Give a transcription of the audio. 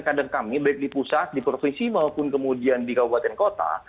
kader kami baik di pusat di provinsi maupun kemudian di kabupaten kota